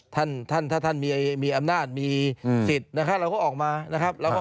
ถ้าท่านมีอำนาจมีสิทธิ์นะครับเราก็ออกมานะครับ